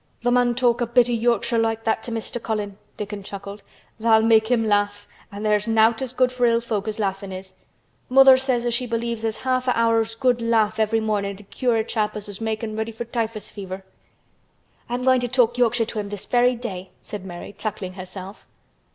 "Tha' mun talk a bit o' Yorkshire like that to Mester Colin," Dickon chuckled. "Tha'll make him laugh an' there's nowt as good for ill folk as laughin' is. Mother says she believes as half a hour's good laugh every mornin' 'ud cure a chap as was makin' ready for typhus fever." "I'm going to talk Yorkshire to him this very day," said Mary, chuckling herself.